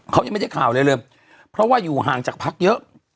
เขายังไม่ได้ข่าวอะไรเลยเพราะว่าอยู่ห่างจากพักเยอะ